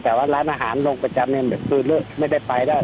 แต่ว่าร้านอาหารลงประจำเนี่ยเหมือนซื้อเลอะไม่ได้ไปได้